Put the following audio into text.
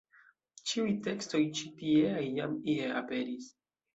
Ĉiuj tekstoj ĉi-tieaj jam ie aperis.